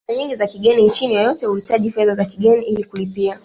fedha nyingi za kigeni nchi yoyote huhitaji fedha za kigeni ili kulipia